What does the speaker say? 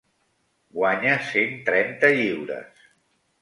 Guanya cent trenta lliures.